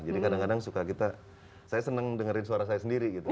jadi kadang kadang suka kita saya seneng dengerin suara saya sendiri gitu